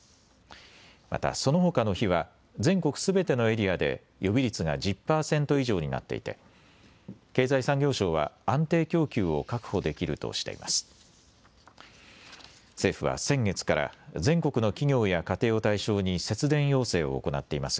また、そのほかの日は全国すべてのエリアで予備率が１０％以上になっていて、経済産業省は安定供給を確保できるとしています。